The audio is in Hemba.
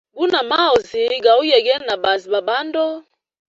Guna maozi gauyegela na baazi ba bandu.